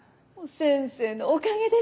先生のおかげです。